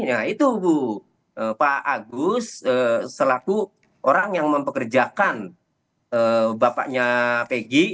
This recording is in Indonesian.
ya itu bu pak agus selaku orang yang mempekerjakan bapaknya pg